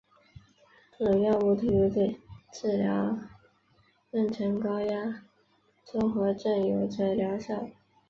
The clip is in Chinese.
这种药物特别对治疗妊娠高血压综合征有着疗效。